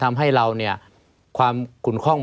ไม่มีครับไม่มีครับ